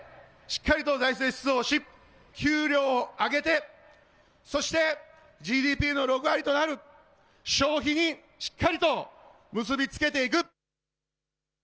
しっかりと財政出動をし、給料を上げて、そして、ＧＤＰの６割となる、消費にしっかりと結び付けていく。